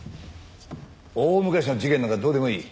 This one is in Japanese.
大昔の事件なんかどうでもいい。